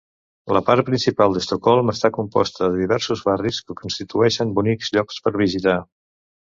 La part principal d'Estocolm està composta de diversos barris que constitueixen bonics llocs per visitar.